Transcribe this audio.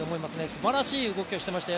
すばらしい動きをしていましたよ